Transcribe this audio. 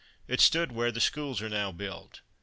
It stood where the schools are now built.